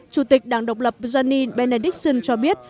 chủ tịch đảng độc lập johnny benedictson cho biết